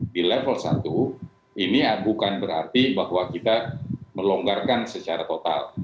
di level satu ini bukan berarti bahwa kita melonggarkan secara total